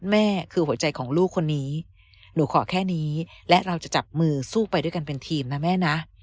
แม่คือหัวใจของลูกคนนี้หนูขอแค่นี้และเราจะจับมือสู้ไปด้วยกันเป็นทีมนะแม่นะ